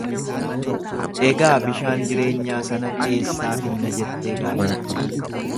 Egaa bishaan jireenyaa sana eessaa finna jettee gaafatte.